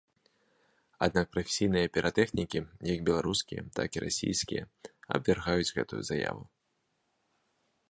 Аднак прафесійныя піратэхнікі як беларускія, так і расійскія абвяргаюць гэтую заяву.